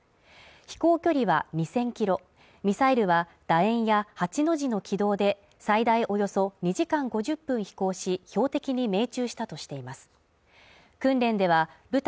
飛行距離は２０００ｋｍ、ミサイルは楕円や８の字の軌道で最大およそ２時間５０分飛行し、標的に命中したとしています。